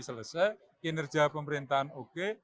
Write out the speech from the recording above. selesai kinerja pemerintahan oke